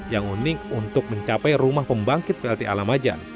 yang unik untuk mencapai rumah pembangkit plta lamajan